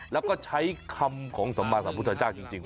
แล้วก็ใช้คำของสมบัติศาสตร์พุทธจ้างจริง